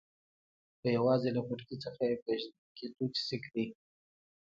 خو یوازې له پټکي څخه یې پېژندل کېدو چې سېک دی.